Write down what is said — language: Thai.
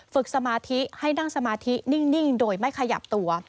สมาธิให้นั่งสมาธินิ่งโดยไม่ขยับตัว